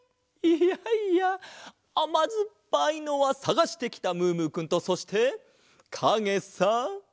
いやいやあまずっぱいのはさがしてきたムームーくんとそしてかげさ！